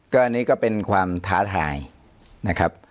ก็อันนี้ก็เป็นความท้าทายนะครับ